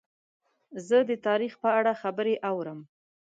زه د تاریخ په اړه خبرې اورم.